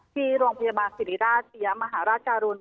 ที่โรงพยาบาลสิริราชสยามหาราชการุณ